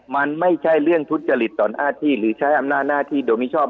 มันไม่ใช่เรื่องทุจริตต่อหน้าที่หรือใช้อำนาจหน้าที่โดยมิชอบ